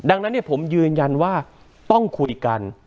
ดังนั้นผมยืนยันว่าต้องคุยกัน